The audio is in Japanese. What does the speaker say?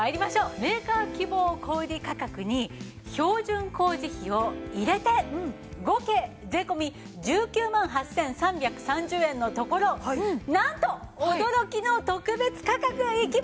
メーカー希望小売価格に標準工事費を入れて合計税込１９万８３３０円のところなんと驚きの特別価格いきます！